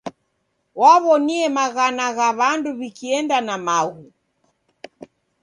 Waw'onie maghana gha w'andu w'ikienda na maghu.